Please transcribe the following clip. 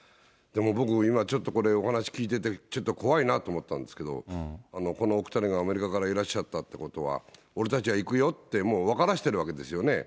僕ちょっと今、お話聞いていて、怖いなと思ったんですけれども、このお２人がアメリカからいらっしゃったってことは、俺たちは行くよって、もう分からしてるわけですよね。